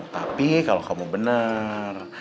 tapi kalau kamu bener